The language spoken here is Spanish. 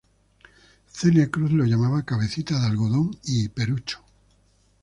Celia Cruz lo llamaba ""Cabecita de Algodón"", y ""Perucho"".